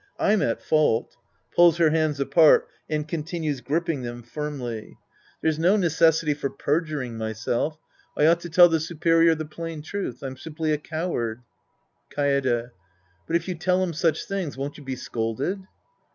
I'm at fault. {Pulls her hands apart and continues gripping them firmly.) There's no necessity 140 The Priest and His Disciples Act IV for perjuring myself; I ought to tell the superior the plain truth. I'm simply a coward. Kafde. But if you tell him such things, won't you be scolded